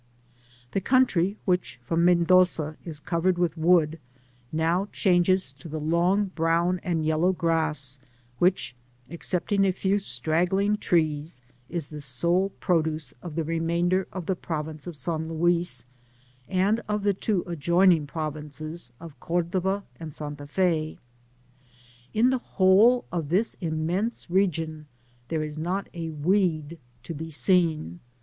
The country, which from Mendoza is covered with wood, now changes to the long brown and yellow grass, which, excepting a few straggling trees, is the sole produce of the remainder of the province of San Luis, and of the two adjoining provinces of Cordova and Santa Ffe. In the whole of this immense region there is not a weed to be seen.